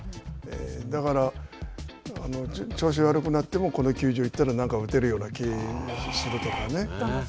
だから、調子が悪くなっても、この球場に行ったらなんか打てるような気がするとかね。